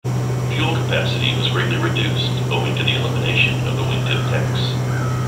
Fuel capacity was greatly reduced, owing to the elimination of the wingtip tanks.